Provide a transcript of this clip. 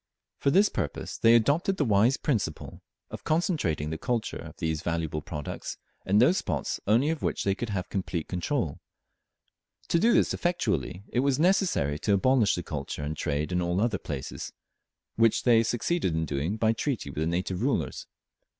For this purpose they adopted the wise principle of concentrating the culture of these valuable products in those spots only of which they could have complete control. To do this effectually it was necessary to abolish the culture and trade in all other places, which they succeeded in doing by treaty with the native rulers.